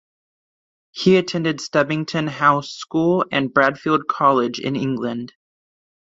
He attended Stubbington House School and Bradfield College in England.